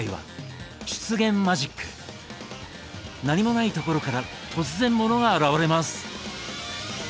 何もないところから突然モノが現れます。